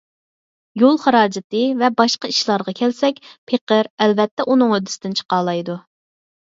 يول خىراجىتى ۋە باشقا ئىشلارغا كەلسەك، پېقىر ئەلۋەتتە ئۇنىڭ ھۆددىسىدىن چىقالايدۇ.